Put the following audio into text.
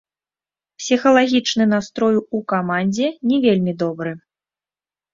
Псіхалагічны настрой у камандзе не вельмі добры.